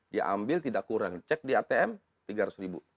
diambil tidak kurang cek di atm tiga ratus ribu